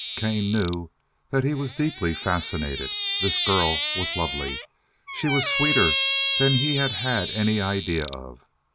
Kane knew that he was deeply fascinated. This girl was lovely. She was sweeter than he had had any idea of.